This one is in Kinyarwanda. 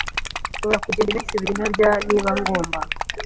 Nshobora kugenda iminsi ibiri ntarya niba ngomba.